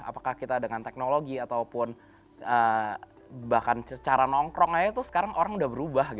apakah kita dengan teknologi ataupun bahkan secara nongkrong aja tuh sekarang orang udah berubah